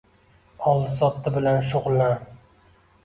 Oldi-sotdi bilan shugʻullan